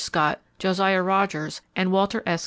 Scott, Josiah Rogers and Walter S.